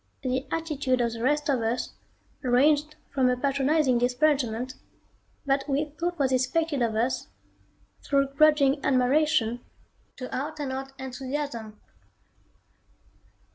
The attitude of the rest of us ranged from a patronizing disparagement that we thought was expected of us, through grudging admiration, to out and out enthusiasm.